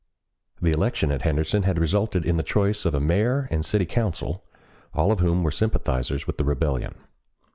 The election at Henderson had resulted in the choice of a mayor and city council, all of whom were sympathizers with the rebellion.